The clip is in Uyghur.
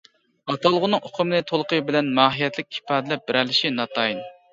ئاتالغۇنىڭ ئۇقۇمنى تولۇقى بىلەن ماھىيەتلىك ئىپادىلەپ بېرەلىشى ناتايىن.